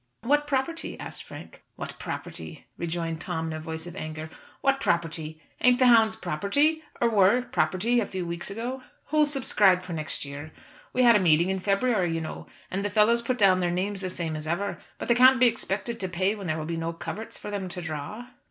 "What property?" asked Frank. "What property?" rejoined Tom in a voice of anger. "What property? Ain't the hounds property, or were property a few weeks ago? Who'll subscribe for next year? We had a meeting in February, you know, and the fellows put down their names the same as ever. But they can't be expected to pay when there will be no coverts for them to draw.